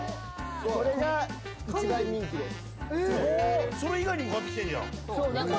これが一番人気です。